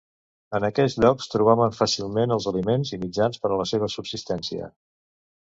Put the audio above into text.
En aquests llocs trobaven fàcilment els aliments i mitjans per a la seva subsistència.